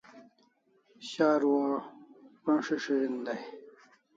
Sharu o po'n' s'is'irin dai